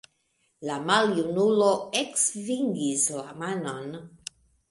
La maljunulo eksvingis la manon.